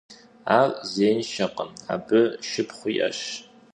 Ар зеиншэкъым, абы шыпхъу иӀэщ.